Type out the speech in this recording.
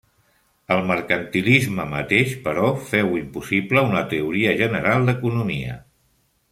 El mercantilisme mateix, però, féu impossible una teoria general d'economia.